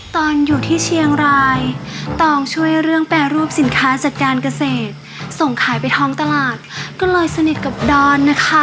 ตอนอยู่ที่เชียงรายตองช่วยเรื่องแปรรูปสินค้าจากการเกษตรส่งขายไปท้องตลาดก็เลยสนิทกับดอนนะคะ